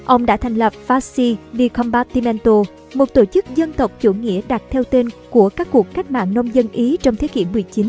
ông đã thành lập faci dikombatimento một tổ chức dân tộc chủ nghĩa đặt theo tên của các cuộc cách mạng nông dân ý trong thế kỷ một mươi chín